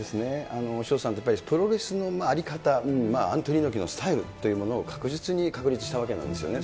潮田さん、プロレスの在り方、アントニオ猪木のスタイルというものを確実に確立したわけなんですよね。